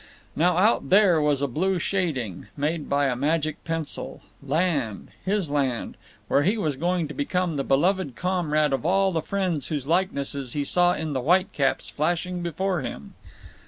Now, out there was a blue shading, made by a magic pencil; land, his land, where he was going to become the beloved comrade of all the friends whose likenesses he saw in the white caps flashing before him.